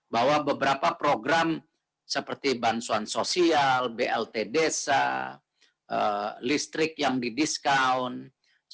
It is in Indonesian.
bahwa beberapa program seperti bansoan sosial blt desa listrik yang didiscount